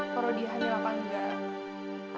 koro dia hamil apa enggak